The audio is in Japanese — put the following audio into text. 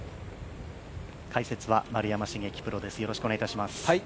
解説は丸山茂樹プロです。